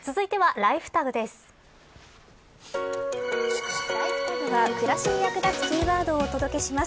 ＬｉｆｅＴａｇは暮らしに役立つキーワードをお届けします。